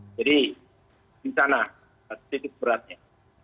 jadi di sana ada sedikit beratnya